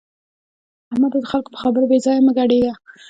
احمده! د خلګو په خبرو بې ځایه مه ګډېږه.